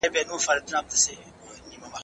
سیاستوالو به په قانون کي مساوات رامنځته کول.